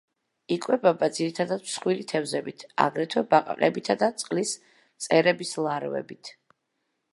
იკვებება ძირითადად მსხვილი თევზებით, აგრეთვე ბაყაყებით და წყლის მწერების ლარვებით.